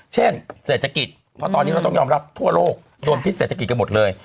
เช่นเศรษฐกิจเพราะตอนนี้เราต้องยอมรับทั่วโลกโดนพิษเศรษฐกิจกันหมดเลย